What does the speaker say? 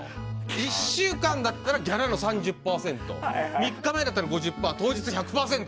１週間だったらギャラの３０％３日前だったら７０％当日１００％！